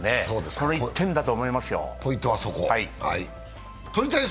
この一点だと思いますよ。